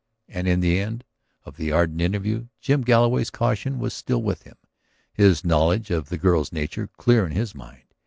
And in the end of that ardent interview Jim Galloway's caution was still with him, his knowledge of the girl's nature clear in his mind.